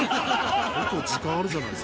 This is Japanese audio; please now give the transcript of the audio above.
結構時間あるじゃないですか。